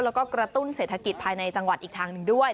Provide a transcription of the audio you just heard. แล้วก็กระตุ้นเศรษฐกิจภายในจังหวัดอีกทางหนึ่งด้วย